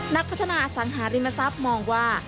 นักพัฒนาสังหาริมทรัพย์มองว่า